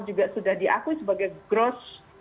juga sudah diakui sebagai gross